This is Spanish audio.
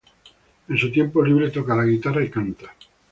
En su tiempo libre, toca la guitarra y canta.